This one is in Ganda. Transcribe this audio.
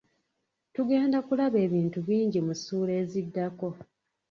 Tugenda kulaba ebintu bingi mu ssuula eziddako.